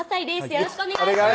よろしくお願いします